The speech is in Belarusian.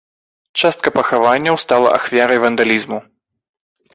Частка пахаванняў стала ахвярай вандалізму.